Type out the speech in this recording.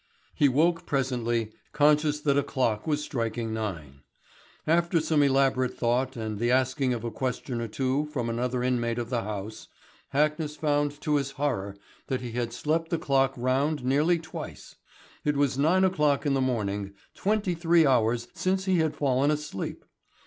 He woke presently, conscious that a clock was striking nine. After some elaborate thought and the asking of a question or two from another inmate of the house, Hackness found to his horror that he had slept the clock round nearly twice. It was nine o'clock in the morning, twenty three hours since he had fallen asleep!